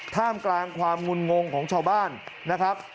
ท่ามกลางความงุนงงของชาวบ้านนะครับ